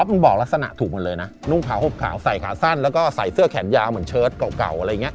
มึงบอกลักษณะถูกหมดเลยนะนุ่งขาวหกขาวใส่ขาสั้นแล้วก็ใส่เสื้อแขนยาวเหมือนเชิดเก่าอะไรอย่างเงี้